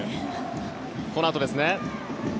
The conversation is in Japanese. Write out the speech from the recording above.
このあとですね。